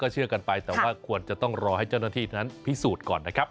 เชื่อกันไปแต่ว่าควรจะต้องรอให้เจ้าหน้าที่นั้นพิสูจน์ก่อนนะครับ